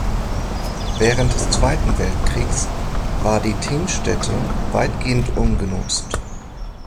Während des Zweiten Weltkriegs war die Thingstätte weitgehend ungenutzt.